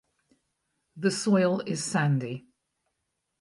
The soil is sandy.